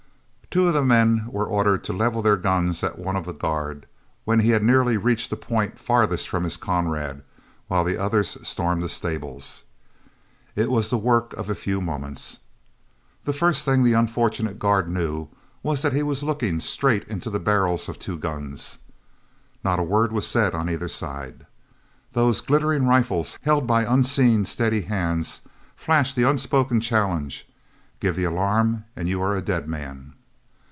Two of the men were ordered to level their guns at one of the guard when he had nearly reached the point farthest from his comrade, while the others stormed the stables. It was the work of a few moments. The first thing the unfortunate guard knew was that he was looking straight into the barrels of two guns. Not a word was said on either side. Those glittering rifles, held by unseen, steady hands, flashed the unspoken challenge, "Give the alarm, and you are a dead man."